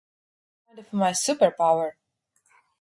It’s kind of my superpower.